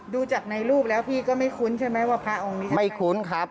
ดูจากในรูปแล้วพี่ก็ไม่คุ้นใช่ไหมว่าพระองค์นี้ไม่คุ้นครับ